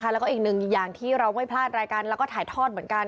แล้วก็อีกหนึ่งอย่างที่เราไม่พลาดรายการแล้วก็ถ่ายทอดเหมือนกัน